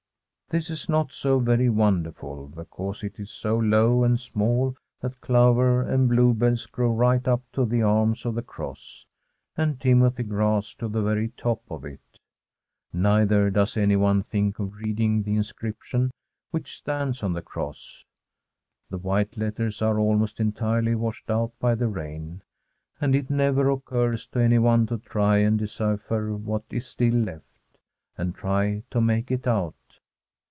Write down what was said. This is not so very wonderful, be cause it is so low and small that clover and bluebells grow right up to the arms of the cross, and timothy grass to the very top of it. Neither does anyone think of reading the inscription which stands on the cross. The white letters are almost entirely washed out by the rain, and it never occurs to anyone to try and decipher what is still left, and try to make it out.